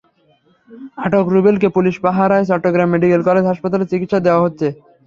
আটক রুবেলকে পুলিশ পাহারায় চট্টগ্রাম মেডিকেল কলেজ হাসপাতালে চিকিৎসা দেওয়া হচ্ছে।